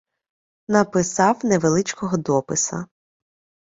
Написав невеличкого дописа